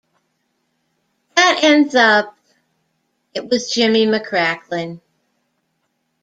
That ends up it was Jimmy McCracklin.